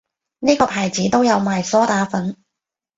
呢個牌子都有賣梳打粉